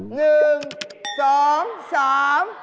หนึ่งสองสาม